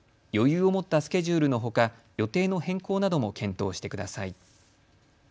余裕を持ったスケジュールのほか、予定の変更なども検討してください。